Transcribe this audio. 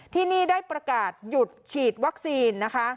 ที่นี่ได้ประกาศหยุดฉีดวัคซีนนะคะ